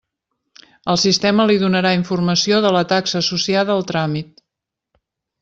El sistema li donarà informació de la taxa associada al tràmit.